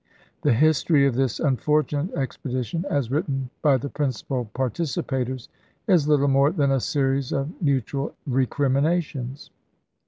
The history of this unfortunate expedition, as written by the principal participators, is little more than a series of mutual recriminations.